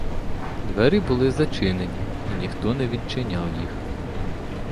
Двері були зачинені, і ніхто не відчиняв їх.